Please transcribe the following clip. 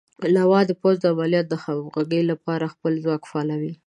لوا د پوځ د عملیاتو د همغږۍ لپاره خپل ځواک فعالوي.